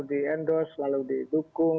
diendos selalu didukung